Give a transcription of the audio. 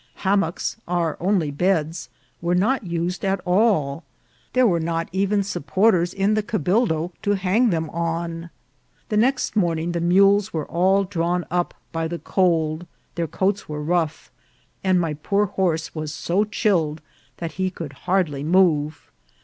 Hammocks, our only beds, were not used at all. There were not even supporters in the cabildo to hang them on. The next morning the mules were all drawn up by the cold, their coats were rough, and my poor horse was so chilled that he could hardly move.